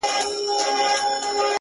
• يوه ږغ كړه چي تر ټولو پهلوان يم,